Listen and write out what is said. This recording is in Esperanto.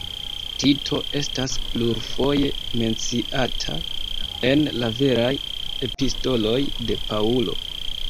Tito estas plurfoje menciata en la veraj epistoloj de Paŭlo.